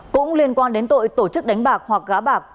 cũng liên quan đến tội tổ chức đánh bạc hoặc gá bạc